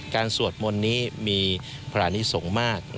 สวดมนต์นี้มีพระนิสงฆ์มาก